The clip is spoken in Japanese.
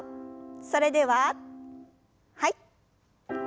それでははい。